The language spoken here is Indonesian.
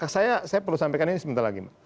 saya perlu sampaikan ini sebentar lagi